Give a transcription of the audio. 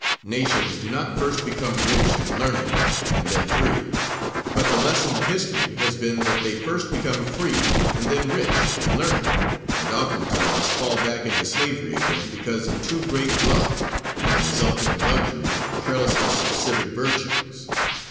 Nations do not first become rich and learned and then free, but the lesson of history has been that they first become free and then rich and learned, and oftentimes fall back into slavery again because of too great wealth, and the resulting luxury and carelessness of civic virtues.